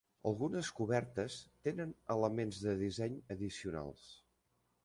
Algunes cobertes tenen elements de disseny addicionals.